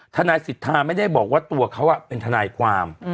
ทนายสิทธาไม่ได้บอกว่าตัวเขาเป็นทนายความ